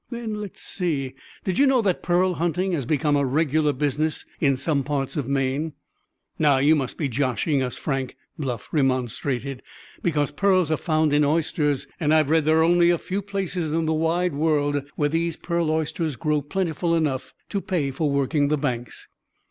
Then—let's see, did you know that pearl hunting had become a regular business in some parts of Maine?" "Now you must be joshing us, Frank," Bluff remonstrated, "because pearls are found in oysters; and I've read that there are only a few places in the wide world where these pearl oysters grow plentifully enough to pay for working the banks."